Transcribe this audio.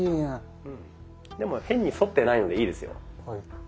でも変に反ってないのでいいですよ。